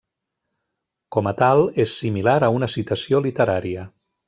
Com a tal, és similar a una citació literària.